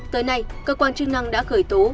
tới nay cơ quan chức năng đã khởi tố